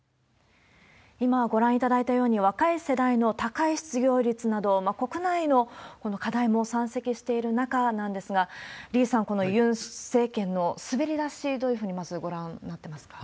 今、ご覧いただいたように、若い世代の高い失業率など、国内の課題も山積している中なんですが、李さん、このユン政権の滑り出し、どういうふうにまずご覧になってますか？